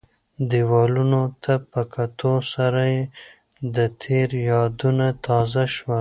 دیوالونو ته په کتو سره یې د تېر یادونه تازه شول.